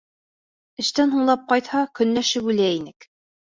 Эштән һуңлап ҡайтһа, көнләшеп үлә инек.